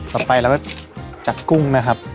ต่อไปแล้วจะจัดกุ้งนะครับ